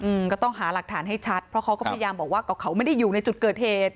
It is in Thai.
อืมก็ต้องหาหลักฐานให้ชัดเพราะเขาก็พยายามบอกว่าก็เขาไม่ได้อยู่ในจุดเกิดเหตุ